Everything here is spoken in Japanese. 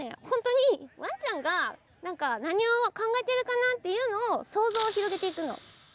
ほんとうにワンちゃんがなにをかんがえてるかなっていうのを想像を広げていくの。